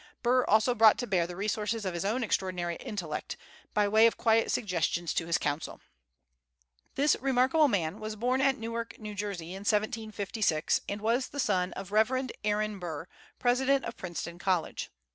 Burr also brought to bear the resources of his own extraordinary intellect, by way of quiet suggestions to his counsel. This remarkable man was born at Newark, N.J., in 1756, and was the son of the Rev. Aaron Burr, president of Princeton College.